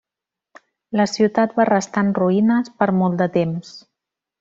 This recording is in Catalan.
La ciutat va restar en ruïnes per molt de temps.